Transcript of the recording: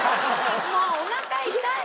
もうおなか痛い！